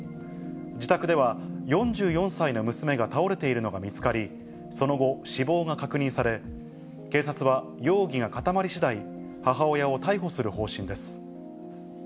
自宅では、４４歳の娘が倒れているのが見つかり、その後、死亡が確認され、警察は、容疑が固まりしだい、母親を逮捕する方針です。